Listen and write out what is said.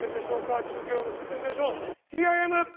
中継を結んでみましょう。